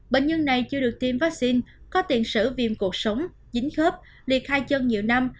bệnh nhân này chưa được tiêm vaccine có tiền sử viêm cột sống dính khớp liệt hai chân nhiều năm